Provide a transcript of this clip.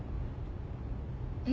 え？